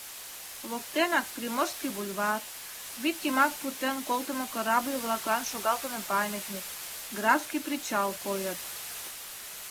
Воктенак Приморский бульвар, вӱд йымак пуртен колтымо корабль-влаклан шогалтыме памятник, Графский причал койыт.